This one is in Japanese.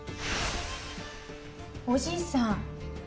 おじいさん